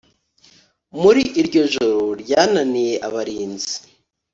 Muri iryo joro ryananiye abarinzi